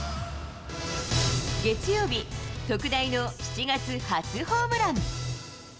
月曜日、特大の７月初ホームラン。